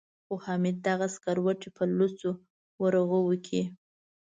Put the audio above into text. خو حامد دغه سکروټې په لوڅو ورغوو کې.